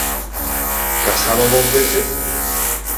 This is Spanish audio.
Casado dos veces.